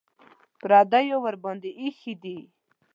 د پردیو ورباندې ایښي دي.